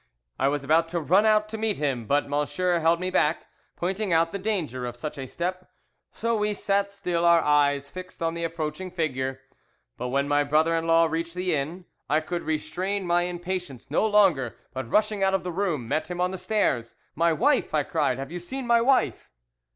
I was about to run out to meet him, but M____ held me back, pointing out the danger of such a step; so we sat still our eyes fixed on the approaching figure. But when my brother in law reached the inn, I could restrain my impatience no longer, but rushing out of the room met him on the stairs. "'My wife?' I cried. 'Have you seen my wife?